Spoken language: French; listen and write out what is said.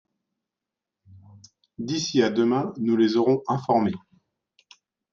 D’ici à demain nous les aurons informées.